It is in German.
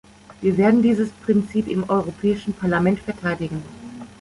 Wir werden dieses Prinzip im Europäischen Parlament verteidigen!